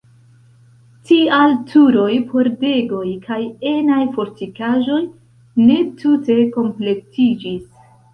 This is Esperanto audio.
Tial turoj, pordegoj kaj enaj fortikaĵoj ne tute kompletiĝis.